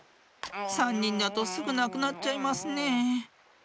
さんにんだとすぐなくなっちゃいますねえ。